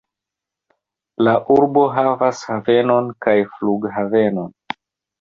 La urbo havas havenon kaj flughavenon.